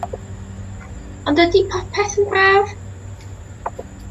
O'nd ydi popeth yn braf?